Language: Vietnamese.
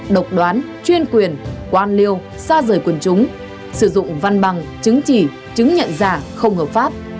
độc đoán chuyên quyền quan liêu xa rời quần chúng sử dụng văn bằng chứng chỉ chứng nhận giả không hợp pháp